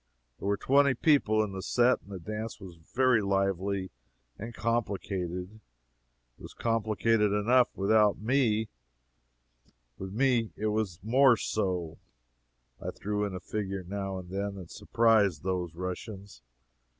There were twenty people in the set, and the dance was very lively and complicated. It was complicated enough without me with me it was more so. I threw in a figure now and then that surprised those Russians.